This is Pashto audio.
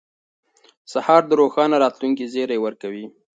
سهار د روښانه راتلونکي زیری ورکوي.